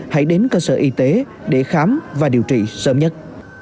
hãy đến cơ sở y tế để khám và điều trị sớm nhất